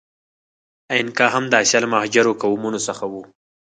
اینکا هم د آسیا له مهاجرو قومونو څخه و.